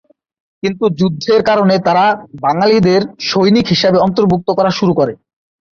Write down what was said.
কিন্তু যুদ্ধের কারণে তারা বাঙালিদের সৈনিক হিসেবে অন্তর্ভুক্ত করা শুরু করে।